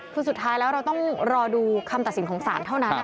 คือสุดท้ายแล้วเราต้องรอดูคำตัดสินของศาลเท่านั้น